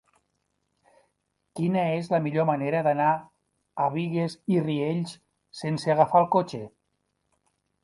Quina és la millor manera d'anar a Bigues i Riells sense agafar el cotxe?